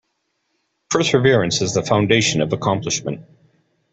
Perseverance is the foundation of accomplishment.